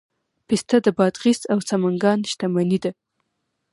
پسته د بادغیس او سمنګان شتمني ده.